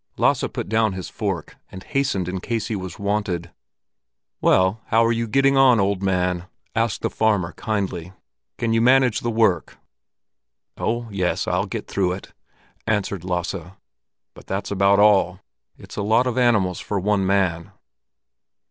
Lasse put down his fork and hastened in in case he was wanted. "Well, how are you getting on, old man?" asked the farmer kindly. "Can you manage the work?" "Oh, yes, I get through it," answered Lasse; "but that's about all. It's a lot of animals for one man."